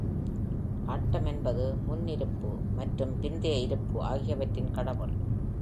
ஆட்டம் என்பது முன் இருப்பு மற்றும் பிந்தைய இருப்பு ஆகியவற்றின் கடவுள்.